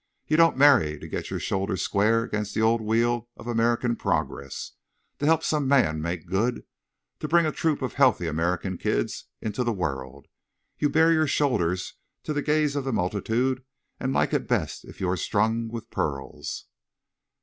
You don't marry to get your shoulders square against the old wheel of American progress—to help some man make good—to bring a troop of healthy American kids into the world. You bare your shoulders to the gaze of the multitude and like it best if you are strung with pearls."